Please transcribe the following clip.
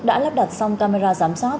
đã lắp đặt xong camera giám sát